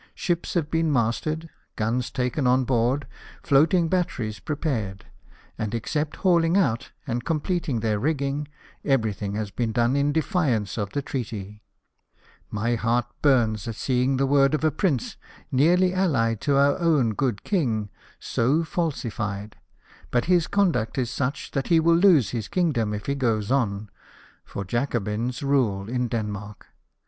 Ships have been masted, guns taken on board, floating batteries prepared, and, except hauling out and completing their rigging, everything has been done in defiance of the treaty. My heart burns R 2 J 260 LIFE OF NELSON. at seeing the word of a Prince, nearly allied to our good King,, so falsified ; but his conduct is such that he will lose his kingdom if he goes on, for Jacobins rule in Denmark.